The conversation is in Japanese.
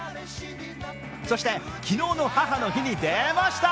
そして、昨日の母の日に出ました！